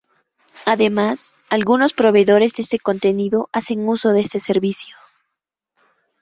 Además, algunos proveedores de contenido hacen uso de este servicio.